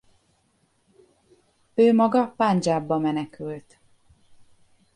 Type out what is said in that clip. Ő maga Pandzsábba menekült.